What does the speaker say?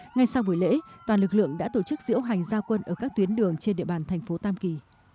ngay sau buổi lễ toàn lực lượng đã tổ chức diễu hành gia quân ở các tuyến đường trên địa bàn thành phố tam kỳ